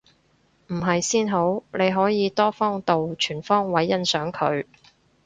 唔係先好，你可以多方度全方位欣賞佢